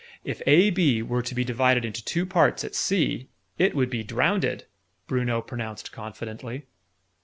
If AB were to be divided into two parts at C " "It would be drownded," Bruno pronounced confidently.